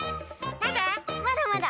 まだ？